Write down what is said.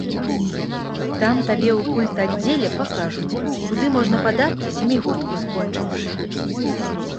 Там табе ў культаддзеле пакажуць, куды можна падацца, сямігодку скончыўшы.